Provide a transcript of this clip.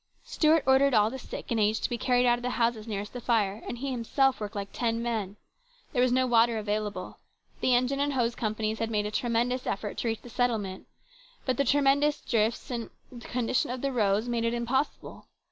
Stuart ordered all the sick and aged to be carried out of the houses nearest the fire, and he himself worked like ten men. There was no water available. The engine and hose companies had made a desperate effort to reach the settlement, but the tremendous drifts and the condition of the roads made it impossible.